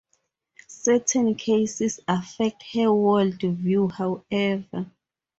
Certain cases affect her worldview, however.